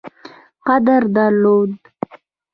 قدر درلود.